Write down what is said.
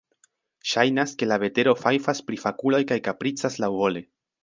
Ŝajnas, ke la vetero fajfas pri fakuloj kaj kapricas laŭvole.